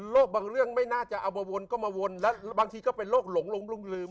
บางเรื่องไม่น่าจะเอามาวนก็มาวนแล้วบางทีก็เป็นโรคหลงลืม